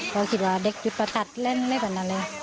เขาคิดว่าเด็กจัดการเล่นอะไรแบบนั้นเลย